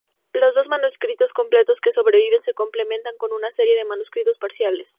Los dos manuscritos completos que sobreviven se complementan con una serie de manuscritos parciales.